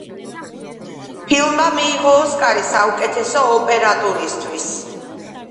ფილმმა მიიღო ოსკარი საუკეთესო ოპერატურისთვის.